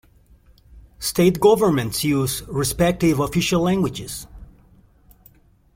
State governments use respective official languages.